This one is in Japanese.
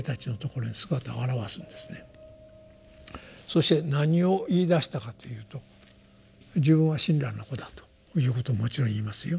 そして何を言いだしたかというと自分は親鸞の子だということをもちろん言いますよ。